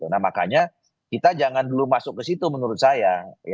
nah makanya kita jangan dulu masuk ke situ menurut saya